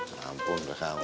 ya ampun udah samar